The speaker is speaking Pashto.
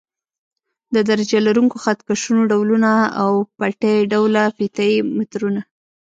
د درجه لرونکو خط کشونو ډولونه او پټۍ ډوله فیته یي مترونه.